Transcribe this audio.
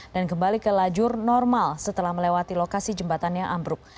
dan kembali ke lajur normal setelah melewati lokasi jembatannya ambruk